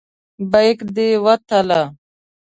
بیک دې وتله.